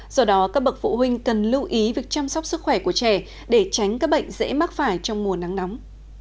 do đó các bậc phụ huynh cần lưu ý việc chăm sóc sức khỏe của trẻ để tránh các bệnh dễ mắc phải trong mùa nắng nóng